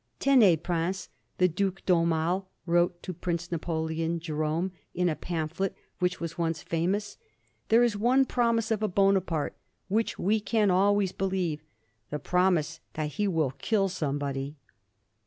" Tenez, prince," the Due d'Aumale wrote to Prince Napo leon J6rdme in a pamphlet which was once famous, " there is one promise of a Bonaparte which we can always be lieve — the promise that he will kill somebody."